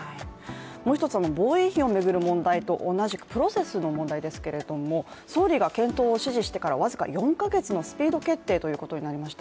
もう一つ、防衛費を巡る問題と同じくプロセスの問題ですけれども総理が検討を指示してから僅か４か月のスピード決定ということになりました。